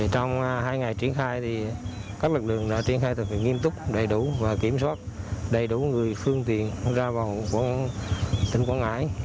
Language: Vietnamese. trong hai ngày triển khai các lực lượng đã triển khai thực hiện nghiêm túc đầy đủ và kiểm soát đầy đủ người phương tiện ra vào của tỉnh quảng ngãi